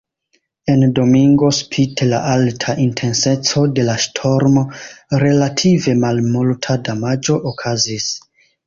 En Domingo, spite la alta intenseco de la ŝtormo, relative malmulta damaĝo okazis.